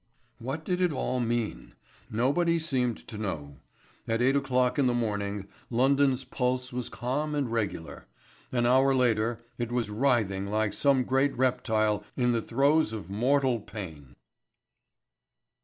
What did it all mean? Nobody seemed to know. At eight o'clock in the morning London's pulse was calm and regular. An hour later it was writhing like some great reptile in the throes of mortal pain.